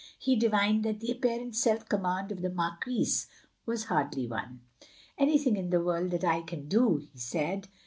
He divined that the apparent self command of the Marquise was hardly won. "Anything in the world that I can do —" he said.